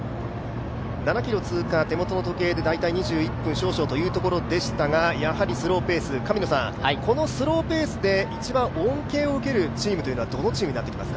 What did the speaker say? ７ｋｍ通過、大体２１分少々というところでしたがやはりスローペース、このスローペースで一番恩恵を受けるチームはどのチームになってきますか？